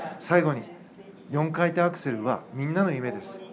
最後に４回転アクセルはみんなの夢です。